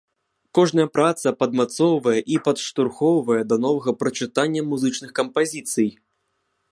Кожная праца падмацоўвае і падштурхоўвае да новага прачытання музычных кампазіцый.